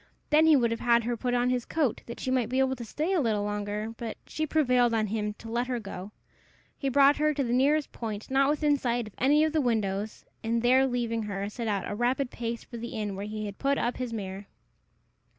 Then he would have had her put on his coat, that she might be able to stay a little longer; but she prevailed on him to let her go. He brought her to the nearest point not within sight of any of the windows, and, there leaving her, set out at a rapid pace for the inn where he had put up his mare.